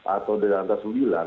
atau di antara sembilan